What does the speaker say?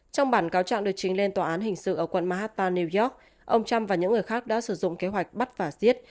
trong bản cáo trạng được chính lên tòa án hình sự ở quận mahatan new york ông trump và những người khác đã sử dụng kế hoạch bắt phả xiết